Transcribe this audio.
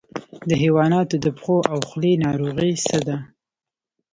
د حیواناتو د پښو او خولې ناروغي څه ده؟